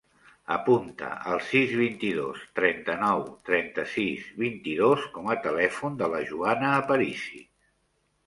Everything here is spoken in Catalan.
Apunta el sis, vint-i-dos, trenta-nou, trenta-sis, vint-i-dos com a telèfon de la Joana Aparici.